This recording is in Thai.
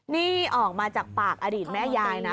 นี่ออกมาจากปากอดีตแม่ยายนะ